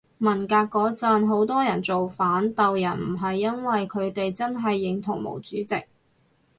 文革嗰陣好多人造反鬥人唔係因爲佢哋真係認同毛主席